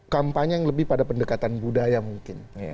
kampanye yang lebih pada pendekatan budaya mungkin